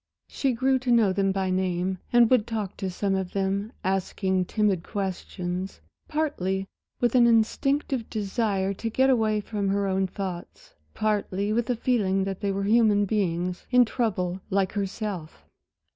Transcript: She grew to know them by name, and would talk to some of them, asking timid questions, partly with an instinctive desire to get away from her own thoughts, partly with the feeling that they were human beings, in trouble like herself.